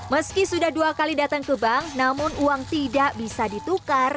meski sudah dua kali datang ke bank namun uang tidak bisa ditukar